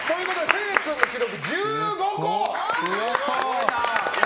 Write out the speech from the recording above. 成君の記録、１５個！